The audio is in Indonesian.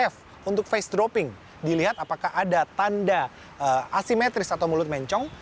f untuk face dropping dilihat apakah ada tanda asimetris atau mulut mencong